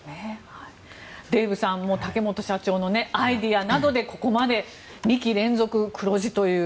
デーブさん竹本社長のアイデアなどでここまで２期連続黒字という。